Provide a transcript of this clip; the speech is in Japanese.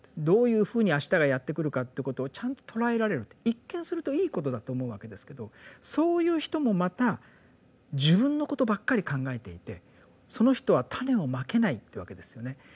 どういうふうにあしたがやって来るかということをちゃんと捉えられるって一見するといいことだと思うわけですけどそういう人もまた自分のことばっかり考えていてその人は種を蒔けないってわけですよね。